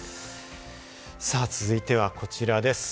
続いては、こちらです。